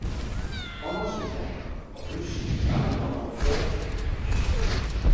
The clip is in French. Pendant ce temps, russes arrivent en renfort de l'Autriche.